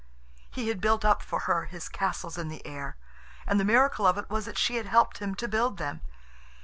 He had built up for her his castles in the air, and the miracle of it was that she had helped him to build them.